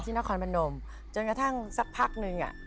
ที่นครพนมเนอะจนกระทั่งสักพักหนึ่ง